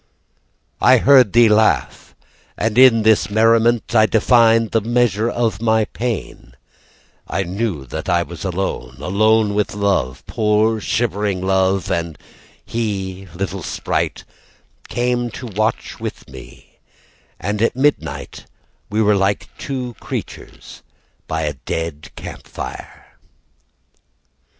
I heard thee laugh, And in this merriment I defined the measure of my pain; I knew that I was alone, Alone with love, Poor shivering love, And he, little sprite, Came to watch with me, And at midnight, We were like two creatures by a dead camp fire.